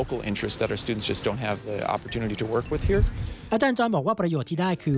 อาจารย์จรบอกว่าประโยชน์ที่ได้คือ